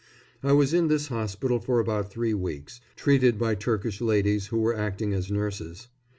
I was in this hospital for about three weeks, treated by Turkish ladies who were acting as nurses.